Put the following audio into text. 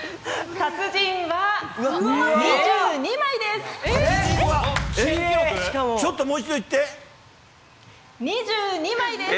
達人は２２枚です。